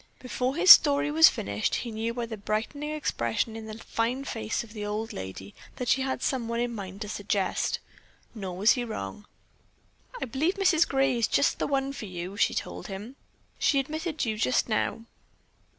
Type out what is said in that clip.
Before his story was finished, he knew by the brightening expression in the fine face of the old lady that she had someone in mind to suggest. Nor was he wrong. "I believe Mrs. Gray is just the one for you," she told him. "She admitted you just now."